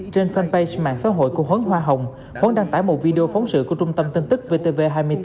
trên fanpage mạng xã hội của huấn hoa hồng huấn đăng tải một video phóng sự của trung tâm tin tức vtv hai mươi bốn